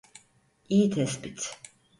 İyi tespit.